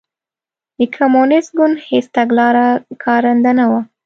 د کمونېست ګوند هېڅ تګلاره کارنده نه وه.